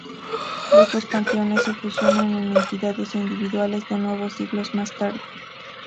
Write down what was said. Los dos panteones se fusionan en entidades individuales de nuevo siglos más tarde.